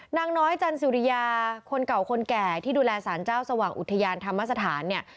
นางน้อยจันสุริยาคนเก่าคนแก่ที่ดูแลสารเจ้าสว่างอุทยานธรรมสถานเนี่ย